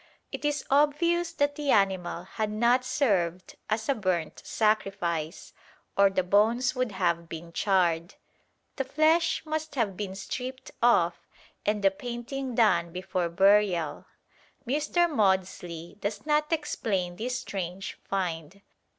It is obvious that the animal had not served as a burnt sacrifice, or the bones would have been charred. The flesh must have been stripped off and the painting done before burial. Mr. Maudslay does not explain this strange find.